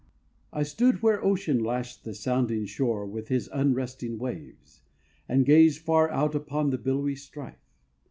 I stood where ocean lashed the sounding shore With his unresting waves, and gazed far out Upon the billowy strife.